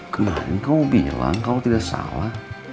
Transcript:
gimana ini kamu bilang kalau tidak salah